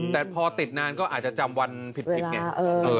แต่พอติดนานก็อาจจะจำวันผิดไง